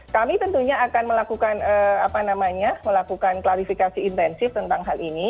kami tentunya akan melakukan klarifikasi intensif tentang hal ini